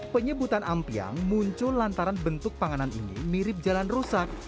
penyebutan ampiang muncul lantaran bentuk panganan ini mirip jalan rusak